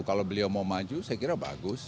kalau beliau mau maju saya kira bagus